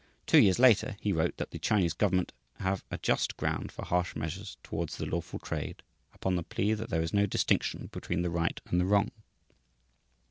Two years later he wrote that "the Chinese government have a just ground for harsh measures towards the lawful trade, upon the plea that there is no distinction between the right and the wrong."